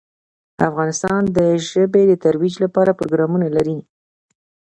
افغانستان د ژبې د ترویج لپاره پروګرامونه لري.